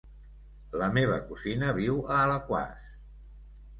La meva cosina viu a Alaquàs.